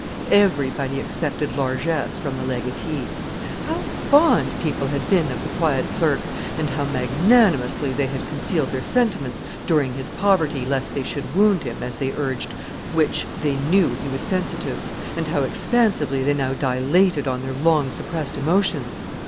Everybody expected largesse from the legatee. How fond people had been of the quiet clerk, and how magnanimously they had concealed their sentiments during his poverty, lest they should wound him, as they urged, "which" they knew he was sensitive; and how expansively they now dilated on their long suppressed emotions!